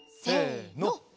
せの。